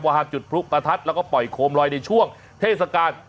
ห้ามจุดพลุประทัดแล้วก็ปล่อยโคมลอยในช่วงเทศกาล